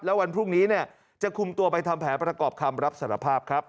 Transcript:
แล้ววันพรุ่งนี้จะคุมตัวไปทำแผนประกอบคำรับสารภาพครับ